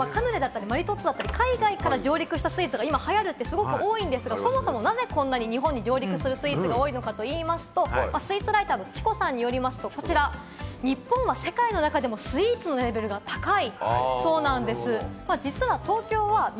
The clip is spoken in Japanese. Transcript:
カヌレだったり、マリトッツォだったり、海外から上陸したスイーツが流行るって多いんですけれど、なぜこんなに日本に上陸するスイーツが多いのかと言いますと、スイーツライターのｃｈｉｃｏさんによりますと、日本は世界の中でもスイーツのレベルが高いそうなんです。